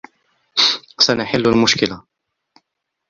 سنحل المشكلة.